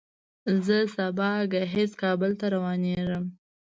زه سبا ګهیځ کابل ته روانېږم.